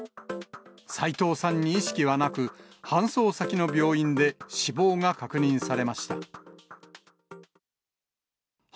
斎藤さんに意識はなく、搬送先の病院で死亡が確認されました。